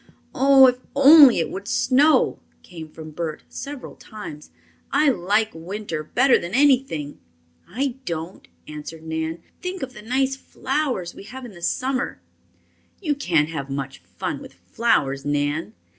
"Oh, if only it would snow!" came from Bert, several times. "I like winter better than anything." "I don't," answered Nan. "Think of the nice flowers we have in the summer." "You can't have much fun with flowers, Nan."